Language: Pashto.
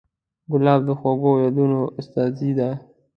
ګلاب د خوږو یادونو استازی دی.